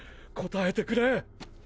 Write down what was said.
答えてくれ！！